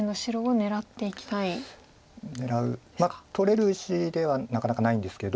狙うまあ取れる石ではなかなかないんですけど。